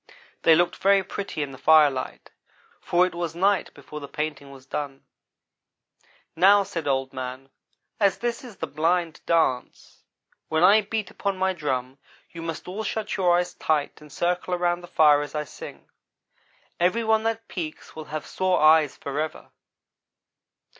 They looked very pretty in the firelight, for it was night before the painting was done. "'Now,' said Old man, 'as this is the Blind dance, when I beat upon my drum you must all shut your eyes tight and circle around the fire as I sing. Every one that peeks will have sore eyes forever.'